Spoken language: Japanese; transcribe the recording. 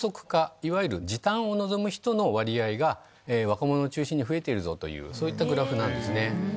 いわゆる時短を望む人の割合が若者を中心に増えているぞというそういったグラフなんですね。